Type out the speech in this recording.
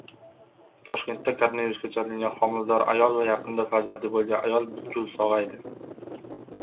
Toshkentda koronavirusga chalingan homilador ayol va yaqinda farzandli bo‘lgan ayol butkul sog‘aydi